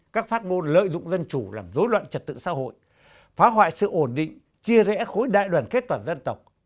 các phát ngôn lợi dụng dân chủ làm dối loạn trật tự xã hội phá hoại sự ổn định chia rẽ khối đại đoàn kết toàn dân tộc